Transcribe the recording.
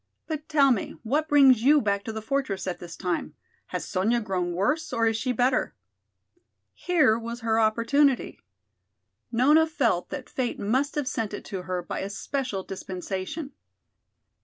But tell me what brings you back to the fortress at this time? Has Sonya grown worse or is she better?" Here was her opportunity. Nona felt that fate must have sent it to her by a special dispensation.